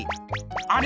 「あれ？